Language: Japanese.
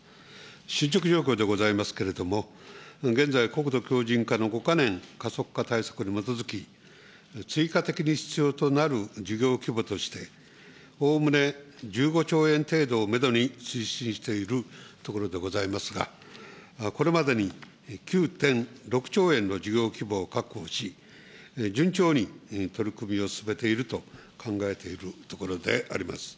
進捗状況でございますけれども、現在、国土強じん化の５か年加速化対策に基づき、追加的に必要となる事業規模として、おおむね１５兆円程度をメドに推進しているところでございますが、これまでに９．６兆円の事業規模を確保し、順調に取り組みを進めていると考えているところであります。